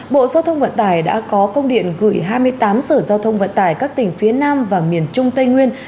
bộ giao thông vận tải đã có công điện gửi hai mươi tám sở giao thông vận tải các tỉnh phía nam và miền trung tây nguyên